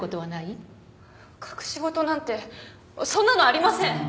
隠し事なんてそんなのありません！